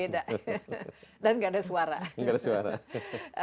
dan gak ada suara